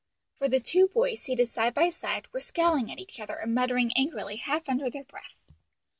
For the two boys, seated side by side, were scowling at each other, and muttering angrily half under their breath.